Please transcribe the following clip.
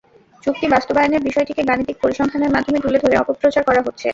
চুক্তি বাস্তবায়নের বিষয়টিকে গাণিতিক পরিসংখ্যানের মাধ্যমে তুলে ধরে অপপ্রচার করা হচ্ছে।